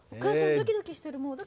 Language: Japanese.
ドキドキしてるほら。